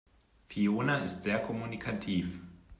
Fiona ist sehr kommunikativ.